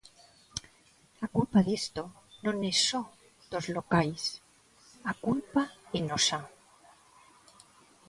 A culpa disto non é só dos locais, a culpa é nosa.